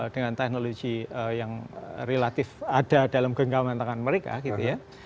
dengan teknologi yang relatif ada dalam genggaman tangan mereka gitu ya